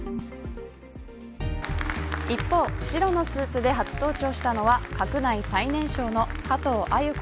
一方白のスーツで初登庁したのは閣内最年少の加藤鮎子